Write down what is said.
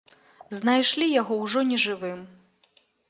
Знайшлі яго ўжо нежывым.